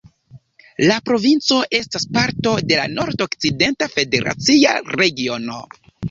La provinco estas parto de Nordokcidenta federacia regiono.